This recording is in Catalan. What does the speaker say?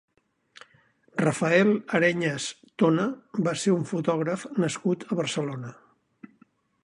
Rafael Areñas Tona va ser un fotògraf nascut a Barcelona.